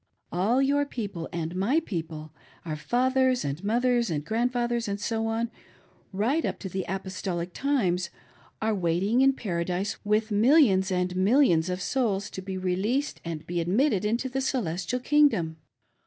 All your people and my people, our fathers, and moth ers, and grandfathers, and so on, right up to the apostolic, times, are waiting in Paradise with millions and .mil lions of souls to be released and be admitted into the Celestial King dom.